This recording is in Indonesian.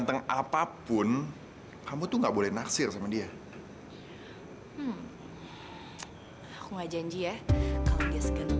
kenapa rencana yang udah hampir matang